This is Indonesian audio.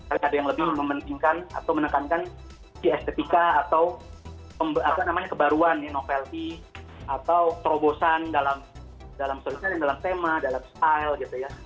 ada yang lebih mementingkan atau menekankan si estetika atau apa namanya kebaruan nih novelty atau terobosan dalam soalnya ada yang dalam tema dalam style gitu ya